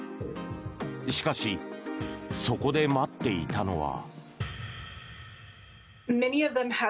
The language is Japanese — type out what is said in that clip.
しかしそこで待っていたのは。